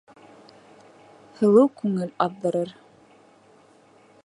Һылыу күңел аҙҙырыр